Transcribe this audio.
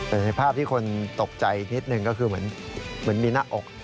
แต่ในภาพที่คนตกใจอีกนิดหนึ่งก็คือเหมือนมีหน้าอก